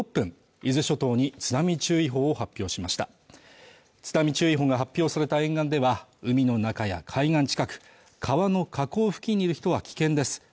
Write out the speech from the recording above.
伊豆諸島に津波注意報を発表しました津波注意報が発表された沿岸では海の中や海岸近く川の河口付近にいる人は危険です